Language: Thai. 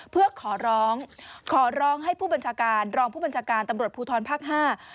เพื่อขอร้องขอร้องให้ผู้บัญชาการรองผู้บัญชาการตำรวจภูทรภาคห้า